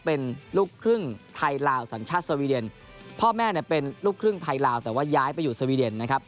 เป็นลูกครึ่งไทยลาวสัญชาติสวีเดนพ่อแม่เนี่ยเป็นลูกครึ่งไทยลาวแต่ว่าย้ายไปอยู่สวีเดนนะครับ